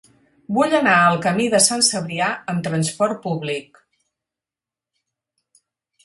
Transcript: Vull anar al camí de Sant Cebrià amb trasport públic.